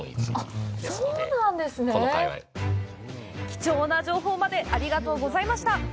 貴重な情報までありがとうございました。